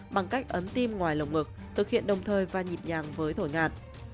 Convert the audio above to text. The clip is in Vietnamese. bằng cách ấm tim ngoài lồng ngực thực hiện đồng thời và nhịp nhàng với thổi ngạt